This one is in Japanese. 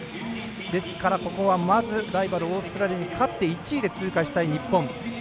ですからここはまずライバルのオーストラリアに勝って１位で通過したい日本。